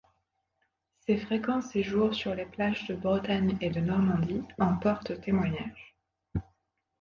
Ses fréquents séjours sur les plages de Bretagne et de Normandie en portent témoignage.